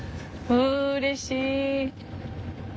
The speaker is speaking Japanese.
うれしい！